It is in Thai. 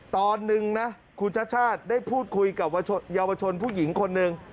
ตอนหนึ่งนะคุณชาติชาติได้พูดคุยกับเยาวชนผู้หญิงคนหนึ่ง